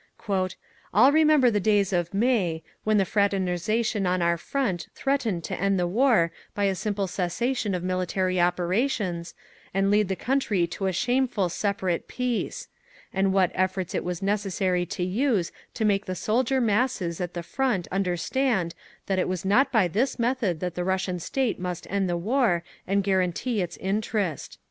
"All remember the days of May, when the fraternisation on our Front threatened to end the war by a simple cessation of military operations, and lead the country to a shameful separate peace… and what efforts it was necessary to use to make the soldier masses at the front understand that it was not by this method that the Russian State must end the war and guarantee its interest…."